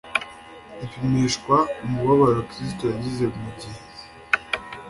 zipimishwa umubabaro Kristo yagize mu gihe